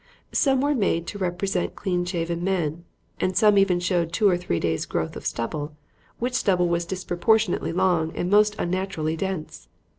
Some were made to represent clean shaven men, and some even showed two or three days' growth of stubble; which stubble was disproportionately long and most unnaturally dense.